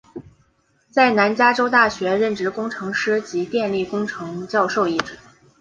在南加州大学任职工程师及电力工程教授一职。